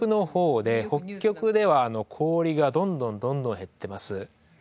北極では氷がどんどんどんどん減ってます。